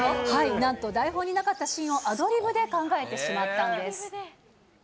なんと台本になかったシーンをアドリブで考えてしまったんです。